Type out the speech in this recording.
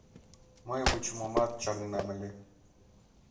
— Мый вучымымат чарненам ыле.